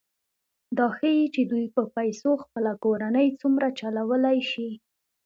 دا ښيي چې دوی په پیسو خپله کورنۍ څومره چلولی شي